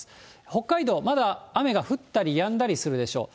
北海道、まだ雨が降ったりやんだりするでしょう。